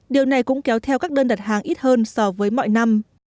điều này cũng kéo theo các đơn đặt hàng ít hơn so với mọi năm